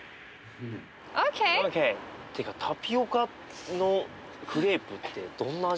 ＯＫ！っていうかタピオカのクレープってどんな味するんだろう？